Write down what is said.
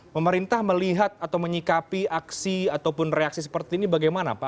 pemerintah melihat atau menyikapi aksi ataupun reaksi seperti ini bagaimana pak